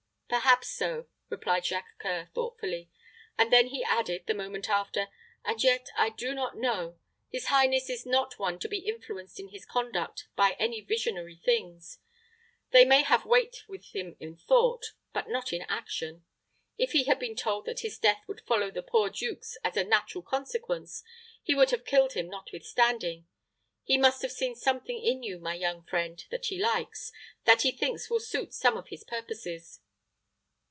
"Perhaps so," replied Jacques C[oe]ur, thoughtfully; and then he added, the moment after, "and yet I do not know. His highness is not one to be influenced in his conduct by any visionary things; they may have weight with him in thought, but not in action. If he had been told that his death would follow the poor duke's as a natural consequence, he would have killed him notwithstanding. He must have seen something in you, my young friend, that he likes that he thinks will suit some of his purposes."